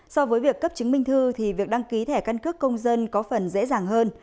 so với việc cấp chứng minh thư thì việc đăng ký thẻ căn cước công dân có phần dễ dàng hơn